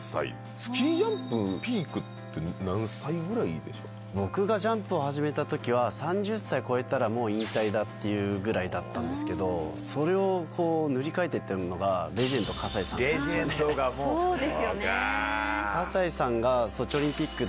スキージャンプのピークって、僕がジャンプを始めたときは、３０歳超えたらもう引退だっていうぐらいだったんですけど、それを塗り替えていっているのが、レジェンド、葛西さんなんですよ